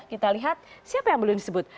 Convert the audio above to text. kita lihat siapa yang belum disebut